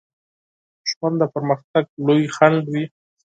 دښمن د پرمختګ لوی خنډ وي